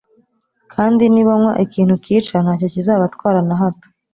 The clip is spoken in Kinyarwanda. kandi nibanywa ikintu cyica ntacyo kizabatwara na hato;